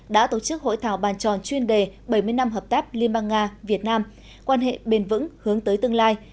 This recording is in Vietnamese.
đã tổ chức hội thảo bàn tròn chuyên đề bảy mươi năm hợp tác liên bang nga việt nam quan hệ bền vững hướng tới tương lai